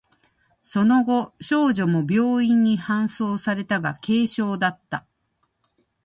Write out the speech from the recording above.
その後、少女も病院に搬送されたが、軽傷だった。